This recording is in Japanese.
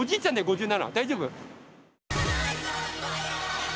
大丈夫？